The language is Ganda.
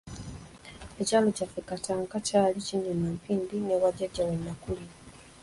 Ekyalo kyaffe Katakala kyali kinnya na mpindi n'ewa Jjajja we nakulira.